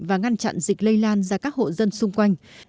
và ngăn chặn dịch lây lan ra các hộ dân xung quanh